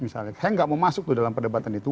yang nggak mau masuk dalam perdebatan itu